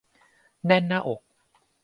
แน่นหน้าอก